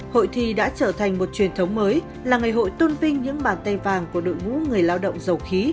hội thi đã trở thành một truyền thống mới là ngày hội tôn vinh những bàn tay vàng của đội ngũ người lao động dầu khí